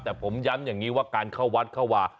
แต่ผมย้ำอย่างนี้ว่าการเข้าวัดเข้าวา